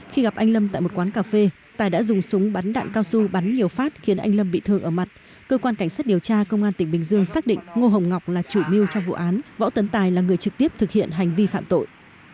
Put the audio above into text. khi gặp anh lâm tại một quán cà phê tài đã dùng súng bắn đạn cao su bắn nhiều phát khiến anh lâm bị thương ở mặt cơ quan cảnh sát điều tra công an tỉnh bình dương xác định ngô hồng ngọc là chủ mưu trong vụ án võ tấn tài là người trực tiếp thực hiện hành vi phạm tội